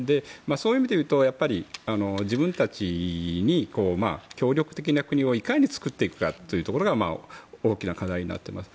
そういう意味でいうと自分たちに協力的な国をいかに作っていくかというところが大きな課題になっています。